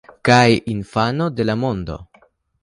Kaj infano de la mondo.